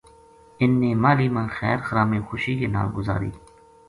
اِنھ نے ماہلی ما خیر خرامی خوشی کے نال گزاری